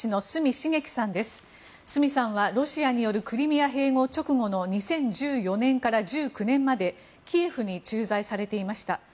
角さんはロシアによるクリミア併合直後の２０１４年から１９年までキエフに駐在されていました。